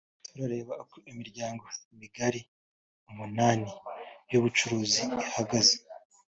turareba uko imiryango migari umunani y’ubucuruzi ihagaze